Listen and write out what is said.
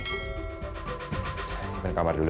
kevin kamar dulu